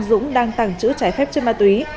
dũng đang tàng trữ trái phép chất ma túy